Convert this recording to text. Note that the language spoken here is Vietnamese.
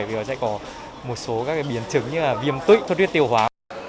vì nó sẽ có một số các biến chứng như viêm tụy sốt điện tiêu hóa